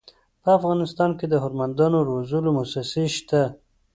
په افغانستان کې د هنرمندانو روزلو مؤسسې شته.